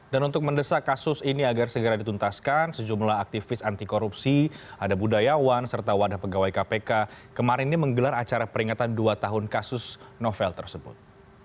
dan untuk mendesak kasus ini agar segera dituntaskan sejumlah aktivis anti korupsi ada budayawan serta wadah pegawai kpk kemarin ini menggelar acara peringatan dua tahun kasus novel tersebut